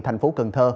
thành phố cần thơ